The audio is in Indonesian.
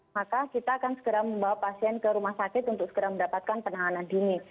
maka kita akan segera membawa pasien ke rumah sakit untuk segera mendapatkan penanganan dini